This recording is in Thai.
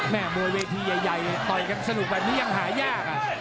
มวยเวทีใหญ่เลยต่อยกันสนุกแบบนี้ยังหายาก